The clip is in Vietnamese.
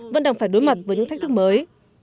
vẫn đang phải đối mặt với những thách thức mới